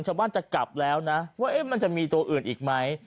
ชาวบ้านจะกลับแล้วนะว่ามันจะมีตัวอื่นอีกไหม